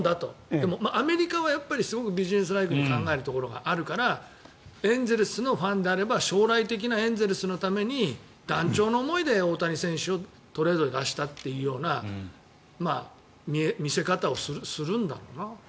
でも、アメリカはビジネスライクに考えるところがあるからエンゼルスのファンであれば将来的なエンゼルスのために断腸の思いで大谷選手をトレードに出したというような見せ方をするんだろうな。